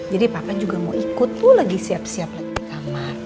jadi papa juga mau ikut tuh lagi siap siap lagi di kamar